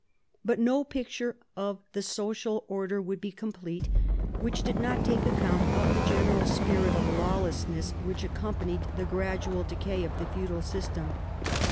But no picture of the social order would be complete which did not take account of the general spirit of lawlessness which accom panied the gradual decay of the feudal system.